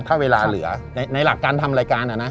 ถ้าเวลาเหลือในหลักการทำรายการ